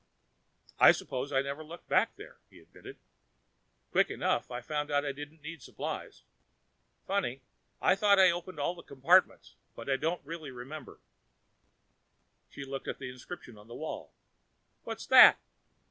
"I suppose I never looked back there," he admitted. "Quick enough, I found I didn't need supplies. Funny, I thought I opened all the compartments, but I don't really remember " She looked at the inscription on the wall. "What's that?"